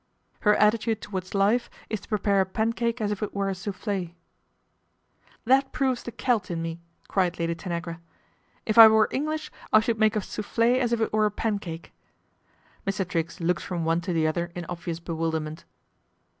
" Her attitude towards life is to pre pare a pancake as if it were a souffle." " That proves the Celt in me," cried Lad] Tanagra. "If I were English I should mi a souffle as if it were a pancake." Mr. Triggs looked from one to the other ii obvious bewilderment.